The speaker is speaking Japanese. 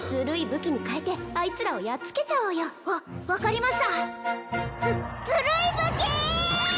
武器に変えてあいつらをやっつけちゃおうよわ分かりましたずずるい武器！